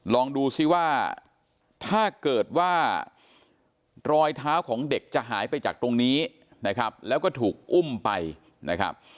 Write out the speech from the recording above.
ลองดูซิว่าถ้าเกิดว่ารอยเท้าของเด็กจะหายไปจากตรงนี้นะครับแล้วก็ถูกอุ้มไปนะครับ